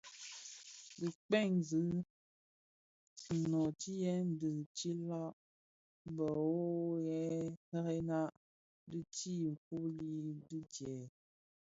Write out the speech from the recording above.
Dhi kpëňzi nnöötighèn dhi tiilag, biwoghirèna dhidi fuuli di djèè.